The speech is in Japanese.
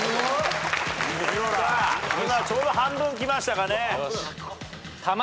今ちょうど半分きましたかね。